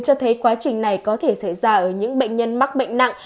cho thấy quá trình này có thể xảy ra ở những bệnh nhân mắc bệnh nặng